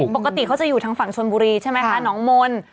ปกติเขาจะอยู่ทางฝั่งชวนบุรีน้องมณ